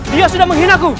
dia sudah menghina aku